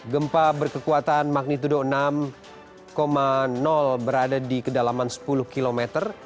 gempa berkekuatan magnitudo enam berada di kedalaman sepuluh km